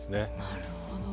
なるほど。